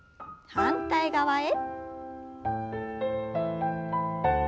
反対側へ。